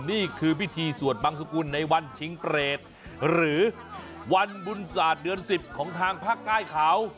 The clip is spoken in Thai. นี่คือพิธีสวดบังสุกุลในวันชิงเปรตหรือวันบุญศาสตร์เดือน๑๐ของทางภาคใต้เขา